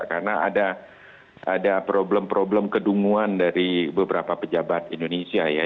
karena ada problem problem kedunguan dari beberapa pejabat indonesia ya